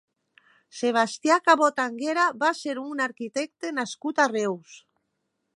Sebastià Cabot Anguera va ser un arquitecte nascut a Reus.